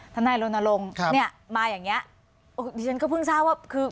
ทนายรณรงค์เนี่ยมาอย่างเงี้ยดิฉันก็เพิ่งทราบว่าคือ